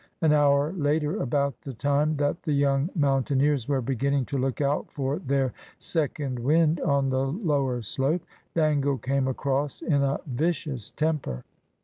An hour later, about the time that the young mountaineers were beginning to look out for their second wind on the lower slope, Dangle came across in a vicious temper.